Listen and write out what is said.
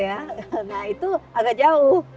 nah itu agak jauh